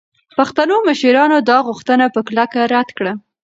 پښتنو مشرانو دا غوښتنه په کلکه رد کړه.